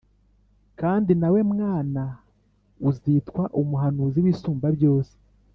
‘‘Kandi nawe mwana, uzitwa umuhanuzi w’Isumbabyose,